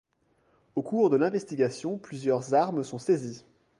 Au cours de l'investigation plusieurs armes sont saisies.